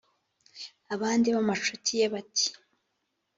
Abandi b’amacuti ye bati